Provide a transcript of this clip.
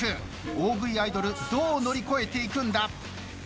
大食いアイドルどう乗り越えていくんだ？